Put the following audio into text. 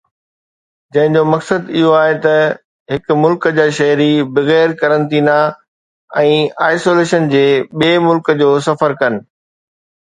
جنهن جو مقصد اهو آهي ته هڪ ملڪ جا شهري بغير قرنطينه ۽ آئسوليشن جي ٻئي ملڪ جو سفر ڪن